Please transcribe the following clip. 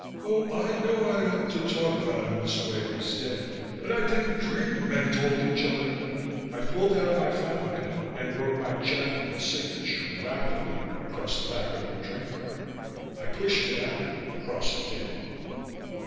"Oh, I know I oughtn't to talk about him this way if he's dead but I didn't dream men told each other " I pulled out my fountain pen and wrote my Jacklin signature rapidly across the back of the drink card. I pushed it at her across the table.